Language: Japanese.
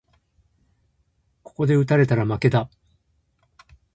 ここで打たれたら負けだ